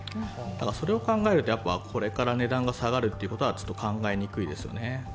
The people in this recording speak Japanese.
それを考えるとこれから値段が下がることはちょっと考えにくいですね。